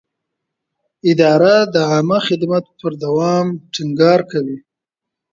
اداره د عامه خدمت پر دوام ټینګار کوي.